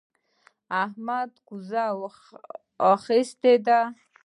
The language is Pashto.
احمد هم کوزه اخيستې ده.